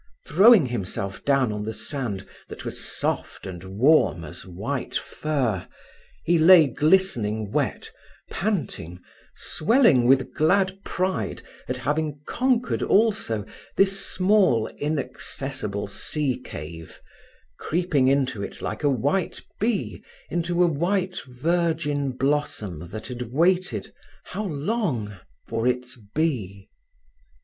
Throwing himself down on the sand that was soft and warm as white fur, he lay glistening wet, panting, swelling with glad pride at having conquered also this small, inaccessible sea cave, creeping into it like a white bee into a white virgin blossom that had waited, how long, for its bee.